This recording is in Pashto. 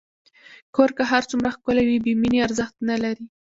کور که هر څومره ښکلی وي، بېمینې ارزښت نه لري.